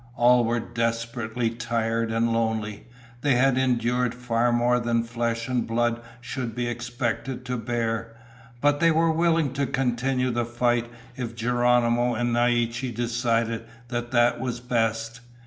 All were desperately tired and lonely. They had endured far more than flesh and blood should be expected to bear. But they were willing to continue the fight if Geronimo and Naiche decided that that was best.